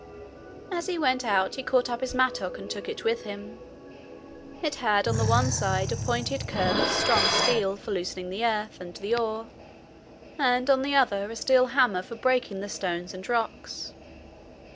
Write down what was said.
As he went out he caught up his mattock and took it with him. It had on the one side a pointed curve of strong steel for loosening the earth and the ore, and on the other a steel hammer for breaking the stones and rocks.